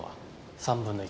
３分の１。